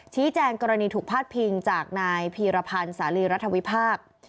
แจ้งกรณีถูกพาดพิงจากนายพีรพันธ์สาลีรัฐวิพากษ์